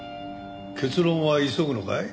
結論は急ぐのかい？